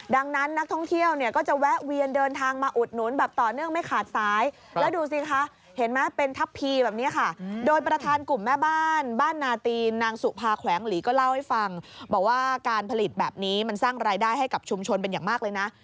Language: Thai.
ดังนั้นนักท่องเที่ยวเนี่ยก็จะแวะเวียนเดินทางมาอุดหนุนแบบต่อเนื่องไม่ขาดซ้ายแล้วดูสิคะเห็นไหมเป็นทัพพีแบบนี้ค่ะโดยประธานกลุ่มแม่บ้านบ้านนาตีนนางสุภาแขวงหลีก็เล่าให้ฟังบอกว่าการผลิตแบบนี้มันสร้างรายได้ให้กับชุมชนเป็นอย่างมากเลยนะ